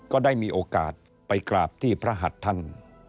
ก็ได้มีโอกาสไปกราบที่พระหัสท่าน